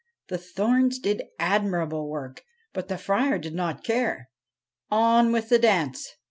The thorns did admirable work, but the Friar did not care. On with the dance